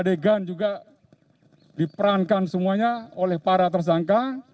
dua puluh tujuh adegan juga diperankan semuanya oleh para tersangka